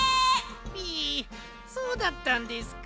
ピイそうだったんですか。